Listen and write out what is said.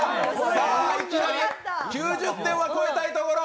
さあ、いきなり９０点は超えたいところ。